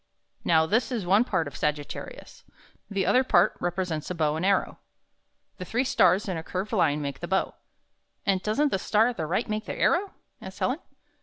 Now, this is one part of Sag it ta ri us. The other part represents a bow and arrow. The three stars in a curved Hne make the bow." ''And doesn't the star at the right make the arrow?" asked Helen.